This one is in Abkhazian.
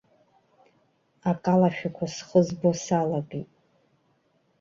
Акалашәақәа схы збо салагеит.